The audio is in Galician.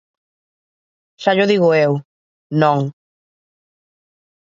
Xa llo digo eu: non.